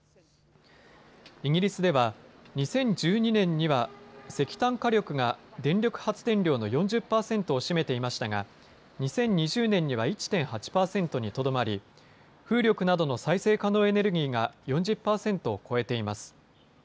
イギリスでは、２０１２年には石炭火力が電力発電量の４０％を占めていましたが２０２０年には１．８％にとどまり風力などの再生可能エネルギーが４０％を超えています。